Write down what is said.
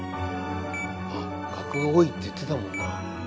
あっ「がくが多い」って言ってたもんな。